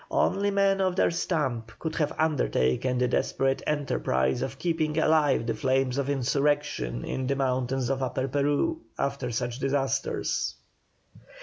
Only men of their stamp could have undertaken the desperate enterprise of keeping alive the flames of insurrection in the mountains of Upper Peru after such disasters.